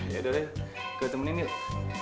ya udah deh gue temenin nih